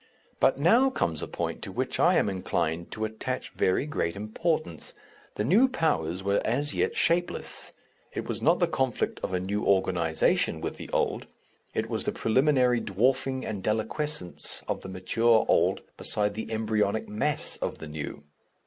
But now comes a point to which I am inclined to attach very great importance. The new powers were as yet shapeless. It was not the conflict of a new organization with the old. It was the preliminary dwarfing and deliquescence of the mature old beside the embryonic mass of the new.